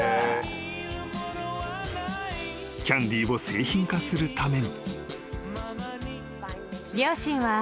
［キャンディーを製品化するために］